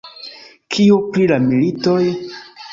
Kio pri la militoj?